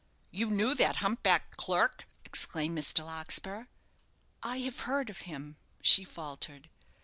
"You knew that humpbacked clerk!" exclaimed Mr. Larkspur. "I have heard of him," she faltered.